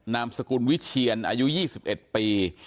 นศกูลวิเชียณอาย๒๑ปี